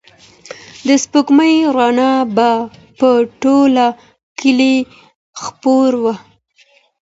د سپوږمۍ رڼا به په ټول کلي خپره وه.